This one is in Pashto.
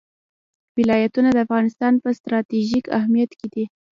ولایتونه د افغانستان په ستراتیژیک اهمیت کې دي.